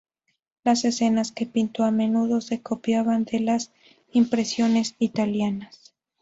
Las escenas que pintó a menudo se copiaban de las impresiones italianas.